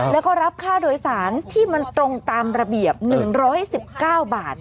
แล้วก็รับค่าโดยสารที่มันตรงตามระเบียบ๑๑๙บาท